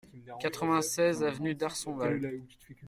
quatre-vingt-seize avenue d'Arsonval